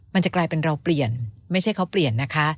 มันจะกลายเป็นเราเปลี่ยนไม่ใช่เขาเปลี่ยนนะคะ